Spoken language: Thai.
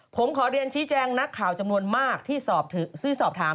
ผมขอเรียนชี้แจงนักข่าวจำนวนมากที่สอบถาม